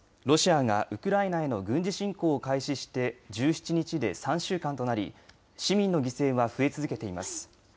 ロシアがウクライナへの軍事侵攻を開始して１７日で３週間となり市民の犠牲は増え続けています。